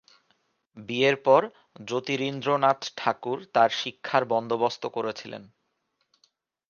বিয়ের পর জ্যোতিরিন্দ্রনাথ ঠাকুর তার শিক্ষার বন্দোবস্ত করেছিলেন।